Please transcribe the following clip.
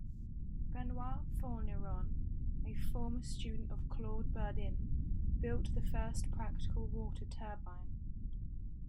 Benoit Fourneyron, a former student of Claude Burdin, built the first practical water turbine.